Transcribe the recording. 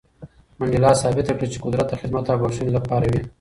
منډېلا ثابته کړه چې قدرت د خدمت او بښنې لپاره وي.